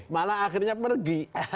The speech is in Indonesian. malah akhirnya pergi